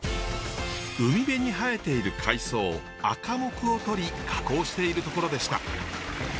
海辺に生えている海藻アカモクをとり加工しているところでした。